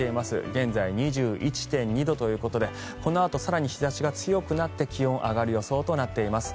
現在２１．２度ということでこのあと更に日差しが強くなって気温が上がる予想となっています。